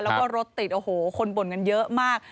แล้วก็รถติดโอ้โหคนบ่นกันเยอะมาก